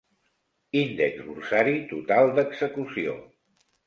Índex borsari total d"execució.